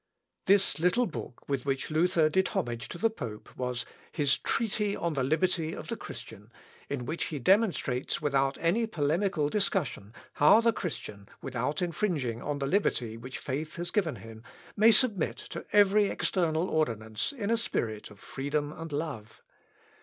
The little book with which Luther did homage to the pope was his 'Treatise on the liberty of the Christian;' in which he demonstrates without any polemical discussion, how the Christian, without infringing on the liberty which faith has given him, may submit to every external ordinance in a spirit of freedom and love.